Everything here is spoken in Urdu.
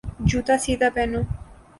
جوتا سیدھا پہنو